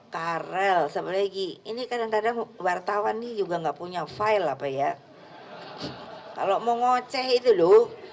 karel sebagi ini kadang kadang wartawan nih juga nggak punya file apa ya kalau mau ngecek itu dulu